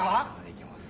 いけます。